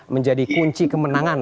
menjadi kunci kemenangan